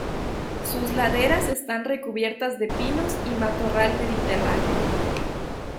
Sus laderas están recubiertas de pinos y matorral mediterráneo.